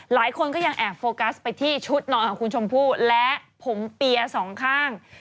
หลายคนก็ยังแอบโฟกัสไปที่ชุดนอนของคุณชมพู่และผมเปียสองข้าง